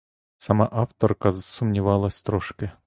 Сама авторка сумнівалась трошки.